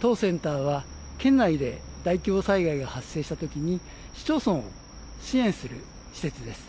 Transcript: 当センターは県内で大規模災害が発生したときに市町村を支援する施設です。